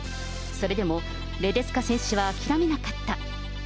それでも、レデツカ選手は諦めなかった。